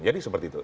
jadi seperti itu